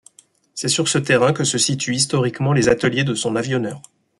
C'est sur ce terrain que se situent historiquement les ateliers de son avionneur.